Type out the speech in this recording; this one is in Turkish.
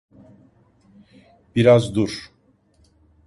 Biraz dur.